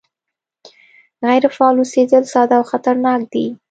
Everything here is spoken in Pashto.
غیر فعال اوسېدل ساده او خطرناک دي